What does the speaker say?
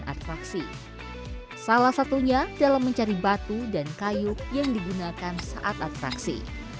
atraksi salah satunya dalam mencari batu dan kayu yang digunakan saat atraksi